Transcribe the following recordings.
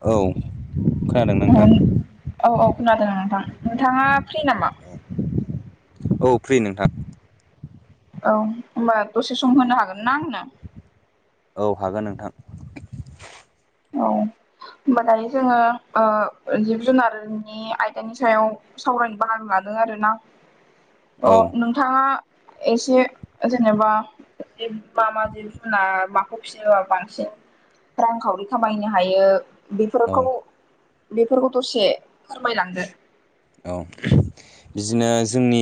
औ खोनादों नोंथां ओं औ औ खोनादों नोंथां नोंथाङा फ्रि नामा? औ फ्रि नोंथां। औ होमबा दसे सम होनो हागोन ना आंनो? औ हागोन नोंथां। औ होमबा दायो जोङो जिब जुनारनि आयदानि सायाव सावरायनो बाहागो ला आरोना थ औ नोंथाङा एसे जेनेबा बे मा मा जिब जुनार माखौ फियोबा बांसिन रांखावरि खामायनो हायो औ बेफोरखौ बेफोरखौ दसे फोरमायलांदो औ बिदिनो जोंनि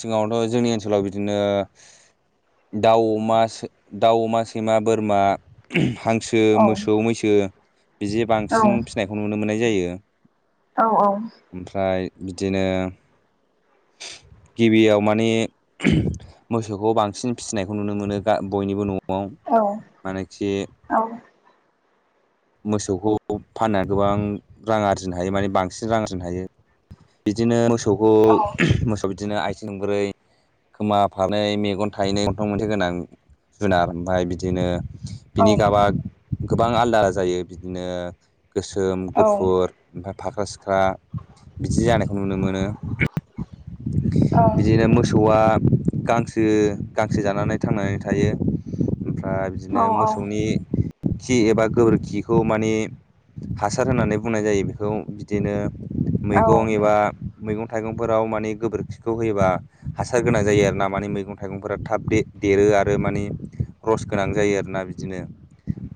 सिगाङावथ' जोंनि ओनसोलाव बिदिनो दाउ अमा सै-दाउ अमा सैमा बोरमा हांसो औ मोसौ मैसो बिदि औ बांसिन फिसिनायखौ नुनो मोननाय जायो। औ औ ओमफ्राय बिदिनो [inaudible] गिबियाव माने मोसौखौ बांसिन फिसिनायखौ नुनो मोनो गा बयनिबो न'आव। आव मानोखि औ मोसौखौ फाननानै गोबां रां आरजिनो हायो माने बांसिन रां आरजिनो हायो। बिदिनो मोसौखौ औ मोसौआ मोसौ बिदिनो आथिं थोंब्रै। खोमा फारनै मेगन थायनै गन्थं मोनसे गोनां जुनार ओमफ्राय बिदिनो बिनि गाबा गोबां आलदा आलदा जायो बिदिनो गोसोम, औ गुफुर ओमफफ्राय फाख्रा-सिख्रा बिदि जानायखौ नुनो मोनो बिदिनो मोसौआ गांसो गांसो जानानै थांनानै थायो ओमफ्राय बिदिनो औ औ मोसौनि खि एबा गोबोर खिखौ माने हासार होननानै बुंनाय जायो बेखौ बिदिनो नंगौ मैगं एबा मैगं-थाइगंफोराव माने गोबोरखिखौ होयोबा हासार गोनां जायो आर ना माने मैगं थाइगंफोरा थाब दे रो आरो माने रस गोनां जायो आरोना बिदिनो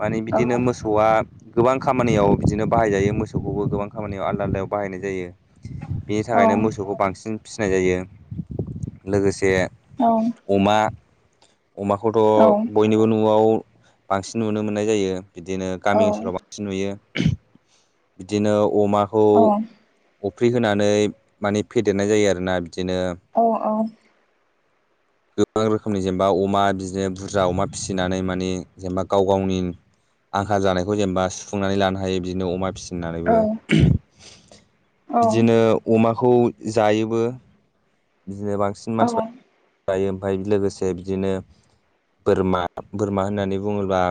मानि बिदिनो नोंथां। मोसौ बा गोबां खामानियाव बिदिनो बाहायजायो मोसौखौबो गोबां खामानियाव आलदा आलदायाव बाहायनाय जायो। बे औ थाखायनो मोसौखौ बांसिन फिसिनाय जायो लोगो से औ अमा अमाखौथ' औ बयनिबो न'आव बांसिन नुनो मोननाय जायो। बिदिनो गामि ओनसोलाव बांसिन नुयो बिदिनो अमाखौ औ अ फ्रि होनानै माने फेदेरनाय जायो आरोना बिदिनो अ अ [inaudible] गोबां रोखोमनि जेनेबा अमा बिदिनो बुरजा अमा फिसिनानै मानि जेनेबा गाव गावनि आंखाल जानायखौ जेनेबा सुफुंनानै लानो हायो बिदिनो अमा फि सिनानैबो उह बिदिनो अमाखौ जायोबो बिदिनो बांसिन औ मानसिफ्रा दायो ओमफ्राय लोगोसे बिदिनो बोरमा बोरमा होननानै बुङोब्ला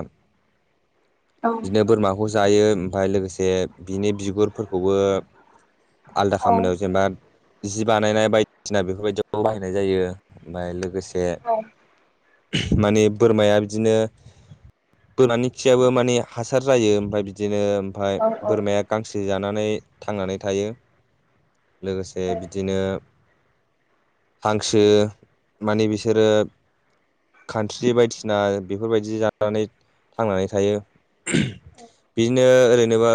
बिदिनो बोरमाखौ जायो ओमफफ्राय लोगोसे बिनि बिगुर फोरखौबो आलदा खामानियाव जेनेबा जि बानायनाय बाय दिसिना बेफोरबायदियाव बाहायनाय जायो ओमफ्राय लोगोसे माने बोरमाया बिदिनो बोनानि खियाबो माने हासार जायो ओमफ्राय बिदिनो ओमफाय बोरमाया गांसो जानानै थांनानै थायो। लोगोसे बिदिनो हांसो माने बिसोरो कान्स्रि बायदिसिना बेफोरबायदि जानानै थांनानै थायो। बिदिनो ओरै जेनेबा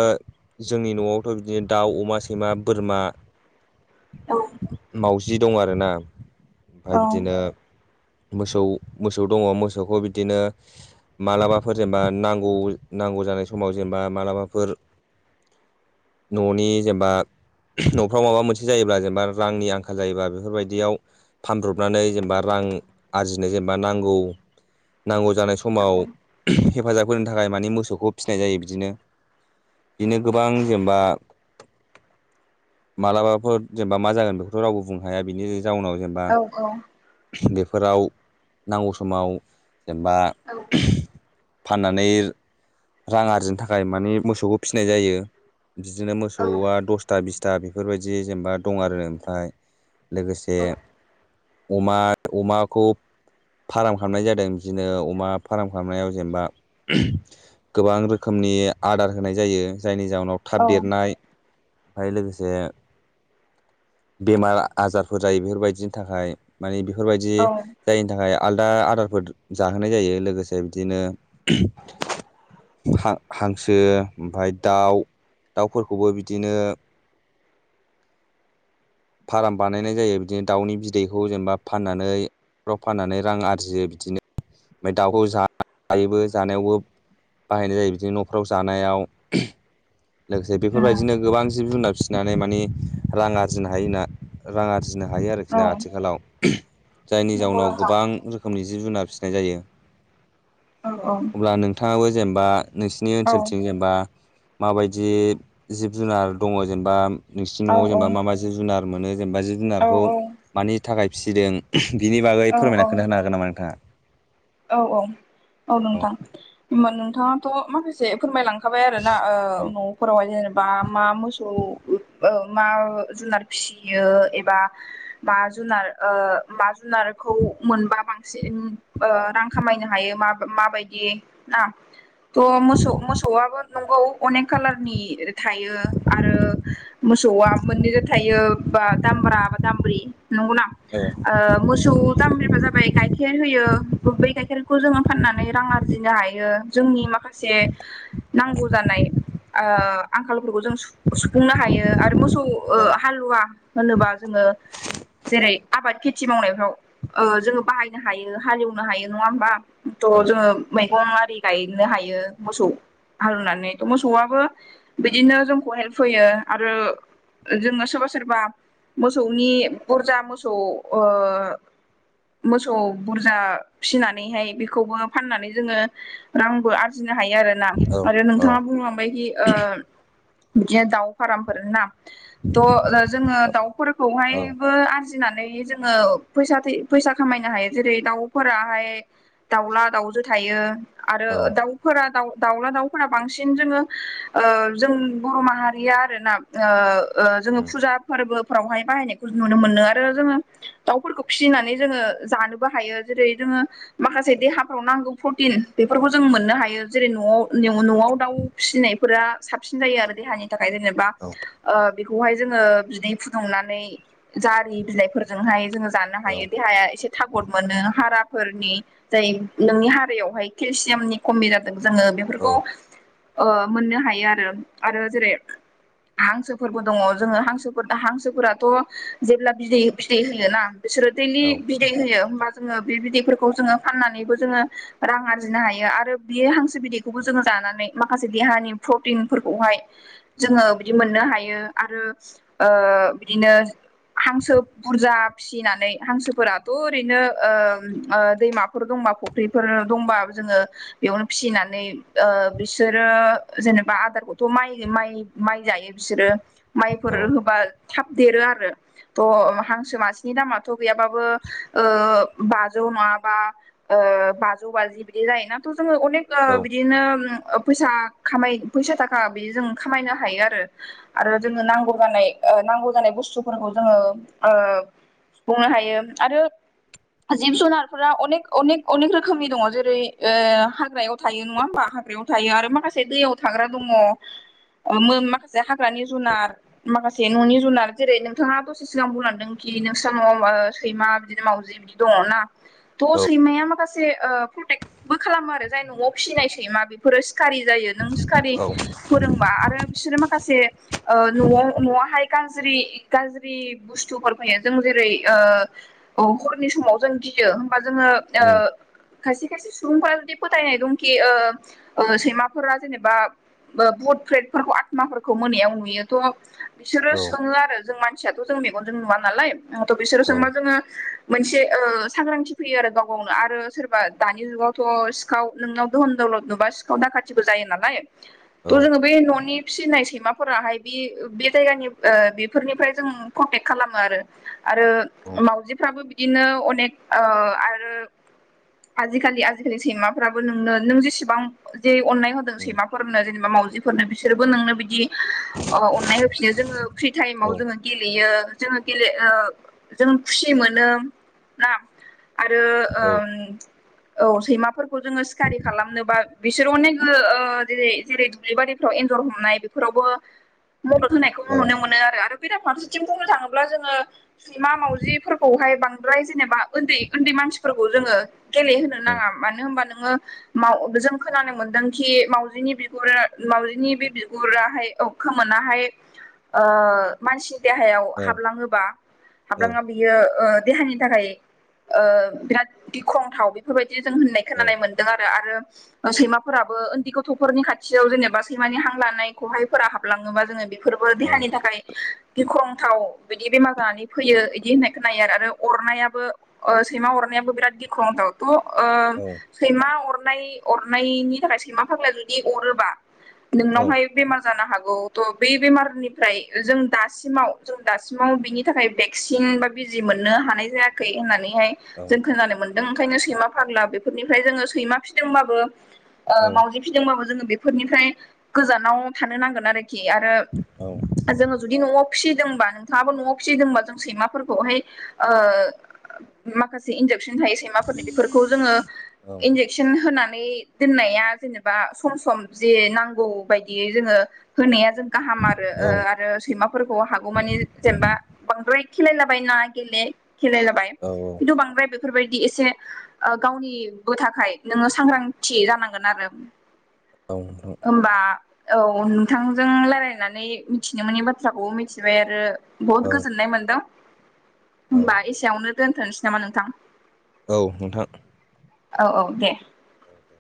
जोंनि न'आवथ' बिदिनो दाउ, अमा, सैमा, बोरमा औ माजि दं आरोना ओमफाय बिदिनो मोसौ मोसौ दङ मोसौखौ बिदिनो मालाबाफोर जेनेबा नांगौ नां गौ जानाय समाव जेनेबा मालाबाफोर [inaudible] न'नि जेनेबा न'फ्राव माबा मोनसे जायोब्ला जेनेबा रांनि आं खाल जायोबा बेफोरबायदियाव फानब्रबनानै जेनेबा रां आरजिनो जेनेबा नांगौ नांगौ जानाय समाव हेफाजाब होनो थाखाय माने मोसौखौ फिसिनाय जायो बिदिनो बिनो गोबां जेनेबा मालाबाफोर जेनेबा मा जागोन बे खौ रावबो बुंनो हाया बिनि जाउनाव जेनेबा बे फोराव नांगौ समाव जेनेबा फाननानै रां आरजिनो थाखाय माने मोसौखौ फिनाय जायो। बिदिनो मोसौआ दसथा बिसथा बेफोरबायदि जेनेबा दं आरो। ओमफाय लोगोसे अमा अमाखौ फार्म खालामनाय जादों बिदिनो अमा फार्म खालामनायाव जेनेबा गोबां रोखोमनि आदार होनाय जायो जायनि जाउनाव थाब देरनाय ओमफाय लोगोसे बेमार आजारफोर जायो बेफोरबायदिनि थाखाय मानि बेफोरबायदि जायिनि थाखाय आलदा आदारफोर जाहोनाय जायो लोगोसे बिदिनो हा हांसो ओमफाय दाउ दाउफोरखौबो बिदिनो [inaudible] फाराम बानायनाय जायो बिदिनो दाउनि बिदैखौ जेनेबा फाननानै फ्राव फाननानै रां आरजियो बिदिनो ओमफाय दाउखौ जायोबो जानायावबो बाहायनाय जायो बिदिनो न'फ्राव जानायाव लोगोसे बेफोरबायदिनो गोबां जिब जुनार फिसिनानै मानि रां आरजिनो हायो होनना रां आरजि आरजिनो हायो आरोखि ना आथिखालाव जायनि जाउनाव गोबां रोखोमनि जिब जुनार फिसिनाय जायो अब्ला नोंथाङाबो जेनेबा नोंसिनि ओनसोलथिं जेनेबा माबायदि जिब जुनार दङ जेनेबा नोंसिनि न'आव जेनेबा मा मा जिब जुनार मोनो जेनेबा जिब जुनारखौ मानि थाखाय फिसिदों? बिनि बागै फोरमायना खोन्थाहानो हागोन नामा नोंथाङा? औ औ औ नोंथां होमबा नोंथाङाथ' माखासे फोरमायलां खाबाय आरोना ओ औ न'फोरावहाय जेने बा मा मोसौ ओ मा जुनार फिसियो एबा मा जुनार ओ मा जुनारखौ मोनबा बांसिन ओ रां खामायनो हायो मा माबायदि ना । थ' मोसौ मोसौआबो नंगौ अनेक कालारनि थायो आरो मोसौ वा मोननैजों थायो बा दामब्रा बा दाम्ब्रि नंगौना ओ मोसौ दामब्रिफ्रा जाबाय गाइखेर होयो बै गायखेरखौ जोङो फाननानै रां आरजिनो हायो जोंनि माखासे नांगौ जानाय ओ आंखालफोरखौ जों सुफुंनो हायो आरो मोसौ ओ औ हालुवा होनोबा जोङो जेरै आबाद खेथि मावनायफ्राव ओ जोङो बाहायनो हायो हालेव नो हायो नङा होमबा औ थ' जोङो मैगं आरि गायनो हायो मोसौ हालौवनानै मोसौआबो बिदिनो जोंखौ हेल्प होयो आरो जोङो सोरबा सोरबा मोसौनि बुरजा मोसौ ओ मोसौ बुरजा फिनानैहाय बेखौबो फाननानै जोङो रांबो आरजिनो हायो आरो ना औ आरो औ नोंथाङा बुंलांबायदि ओ बिदिनो दाउ फारामफोर ना । थ' जोङो औ दाउफोरखौहायबो आजि फिसिनानै जोङो फैसा फैसा खामायनो हायो जेरै दाउ फोराहाय दाउला दाउजो थायो आरो दाउफोरा दाउ दाउला दाउफोरा बांसिन जोङो ओ जों बर' माहारिया आरो ना ओ ओ जोङो फुजा फोरबो फोरावहाय बाहायनायखौ नुनो मोनो आरो जोङो दाउफोरखौ फिसिनानै जोङो जानोबो हायो। जेरै जोङो माखासे देहाफ्राव नांगौ प्रटिन बेफोरखौ जों मोननो हायो जेरै न'आव न'आव दाउ फिसिनायफोरा साबसिन जायो आरो देहानि थाखाय जेनेबा ओ बेखौहाय जोङो बिदै फुदुंनानै जारि बिलाइफोरजोंहाय जोङो जानो हायो देहाया एसे थागद मोनो । हाराफोरनि जाय नोंनि हारायावहाय केलसियामनि खमि जादों जोङो बेफोरखौ ओ मोननो हायो आरो आरो जेरै हांसोफोरबो दङ जोङो हांसोफोर दा हांसोफोराथ' जेब्ला बिदै बिदै होयोना बिसोरो देलि औ बिदै होयो जोङो बे बिदैफोरखौ जोङो फाननानैबो जोङो रां आरजिनो हायो आरो बे हांसो बिदैखौबो जों जा नानै माखासे देहानि प्रटिनफोरखौहाय जोङो बिदि मोननो हायो आरो ओ बिदिनो हांसो बुरजा फिसिनानै हांसोफोराथ ओरैनो ओ ओ दैमाफोर दंबा फुख्रिफोर दंबा जोङो बेयावनो फिसिनानै ओ बिसोरो जेनेबा आदारखौथ माइ माइ माइ जायो बिसोरो औ माइफोर औ होबा थाब देरो आरो त औ उम औ उम औ उम औ हांसो मासे नि दामाथ गैयाबाबो ओ बाजौ नङाबा ओ बाजौ बाजि बिदि जायोना जोङो अनेक ओ बिदिनो फैसा खामाय फैसा थाखा बिदि जों खामायनो हायो आरो आरो जोंङो नांगौ जानाय ओ नांगौ जानाय बुस्थुफोरखौ जोङो ओ सुफुंनो हायो आरो जिब जुनारफोरा अनेक अनेक अनेक रोखोमनि दङ जेरै ओ हाग्रायाव थायो नङा होमबा हाग्रायाव थायो आरो माखासे दैयाव थाग्रा दङ माखासे हाग्रानि जुनार माखासे न'नि जुनार जेरै नोंथाङा दसे सिगां बुंलांदों दि नोंस्रा नआव ओ सैमा बिदिनो मावजि बिदि दङना थ सैमाया माखासे ओ प्रटेक्टबो खालामो आरो जाय न'आव फिसिनाय सैमा बिफोरो सिखारि जायो नों सिखारि फोरोंबा आरो बिसोरो माखासे ओ नआव नआवहाय गाज्रि गाज्रि बुस्थुफोर फैयो जों जेरै ओ हर नि समाव जों गियो होमबा जोङो ओ खायसे खायसे सुबुंफोरा जुदि फोथायनाय दंखि ओ सैमाफोरा जेनेबा ओ भुट फ्रेदफोरखौ आत्माफोरखौ मोनायाव नुयो थ बिसोरो सोङो आरो जों मानसियाथ जों मेगनजों नुवा नालायथ बिसोरो सोंबा जोङो मोनसे ओ सांग्रांथि फैयो आरो गाव गावनो आरो सोरबा दानि जुगावथ सिखाव नोंनाव दोहन नुबा सिखाव दाखाथिबो जायो नालाय थ जोङो बे ननि फिसिनाय सैमाफोराहाय बे बे जायगानि ओ बेफोरनिफ्राय जों कन्टेक्ट खालामो आरो आरो मावाउजिफ्राबो बिदिनो अनेक ओ आरो आजिखालि आजिखालि सैमाफ्राबो नोंनो नों जेसेबां [unintelligible] अननाय होदों सैमाफोरनो जेनेबा मावजिफोरनो बिसोरबो नोंनो बिदि ओ अननाय होफिनो जोङो फ्रि टाइमाव जोङो गेलेयो जोङो गेले ओ जों खुसि मोनो ना आरो ओम औ सैमाफोरखौ जोङो सिखारि खालामनोबा बिसोर अनेक ओ जेरै जेरै दुब्लि बारिफ्राव एन्जर हमनाय बेफोरावबो मदद होनायखौ नुनो मोनो आरो बेरा फारसेथिं बुंनो थाङोब्ला जोङो सैमा मावजिफोरखौहाय बांद्राय जेनेबा ओन्दै ओन्दै मानसिफोरखौ जोङो गेलेहोनो नाङा मानो होमबा नोङो माव जों खोनानो मोनदोंखि मावजिनि बिगुरा मावजिनि बे बिगुराहाय औ खोमोनाहाय ओ मानसि देहायाव हाबलाङोबा हाबलाङा बियो ओ देहानि थाखाय ओ बिराद गिख्रंथाव बेफोरबायदि बिदि जों होननाय खोनानाय मोन्दों आरो सैमाफोराबो उन्दै गथफोरनि खाथियाव जेनेबा सैमानि हां लानाय खहायफोरा हाबलाङोबा जोङो बे फोरबो औ देहानि थाखाय गिख्रंथाव बिदि बेमार जानानै फैयो बिदि होननाय खोनायो आरो अरनायाबो ओ सैमा अरनायाबो बिराद गिख्रंथाव ओ औ सैमा अर अरनाय अरनायनि थाखाय सैमा फागलाया जुदि अरोबा औ नोंनावहाय बेमार जानो हागौ बे बेमारनिफ्राय जों दासिमाव जों दासिमाव बिनि थाखाय भेक्सिन बिजि मोननो हानाय जायाखै होननानैहाय जों औ खोनानो मोन ओंखायनो सैमा फाग्ला बेफोरनिफ्राय जोङो सैमा फिदोंबाबो ओ मावजि फिदोंबाबो जोङो बेफोरनिफ्राय गोजानाव थानो नांगोन आरोखि आरो जोङो जुदि नआव फिसिदोंबा नोंथाङाबो नआव फिसिदोंबा जों सैमाफोरखौहाय ओ माखासे इनजेक शन थायो सैमा फोरनि बेफोरखौ जोङो इनजेक्शन होना नै दोननाया जेनेबा सम सम जे नांगौ बायदियै जोङो होनाया जों गाहाम आरो ओ आरो सैमाफोरखौ हागौमानि जेनेबा बांद्राय खेलायलाबायनाङा गेले खेलायलाबाय खिन्थु बांद्राय बे बेफोरबायदि एसे ओ गावनिबो थाखाय नोङो सांग्रांथि जानांगोन आरो होमबा औ नोंथांजों लारायलायनानै मिथिनो मोनै बाथ्राखौ मिथिबाय आरो बुहुद गोजोननाय मोनदों। होमबा एसेयावनो दोनथ'सै नामा नोंथां? औ नोंथां। औ औ दे। औ दे